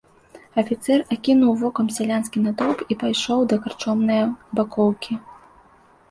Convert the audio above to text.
Афіцэр акінуў вокам сялянскі натоўп і пайшоў да карчомнае бакоўкі.